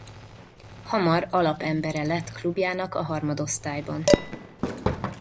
Hamar alapemberre lett klubjának a harmadosztályban.